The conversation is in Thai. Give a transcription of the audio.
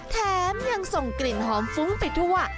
แถมยังส่งกลิ่นหอมฟุ้งไปทั่ว